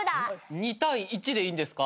２対１でいいんですか？